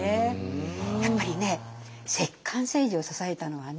やっぱりね摂関政治を支えたのはね